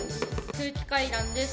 空気階段です。